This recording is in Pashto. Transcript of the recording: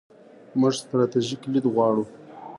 موږ ستراتیژیک لید غواړو.